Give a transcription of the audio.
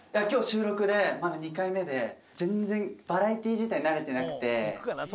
きょう収録でまだ２回目で、全然バラエティー自体慣れてなくて。